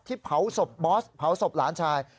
เผาศพบอสเผาศพหลานชาย